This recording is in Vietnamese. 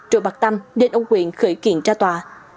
rồi bắt tăm nên ông quyện khởi kiện ra tòa